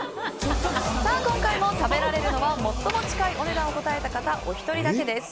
今回も食べられるのは最も近いお値段を答えた方お一人だけです。